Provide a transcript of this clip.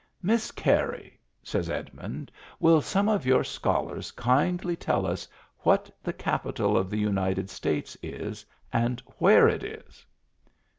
"Miss Carey," says Edmund, "will some of your scholars kindly tell us what the capital of the United States is, and where it is